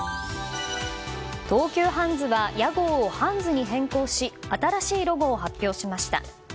東急ハンズが屋号をハンズに変更し新しいロゴを発表しました。